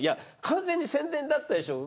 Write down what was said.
完全に宣伝だったでしょ。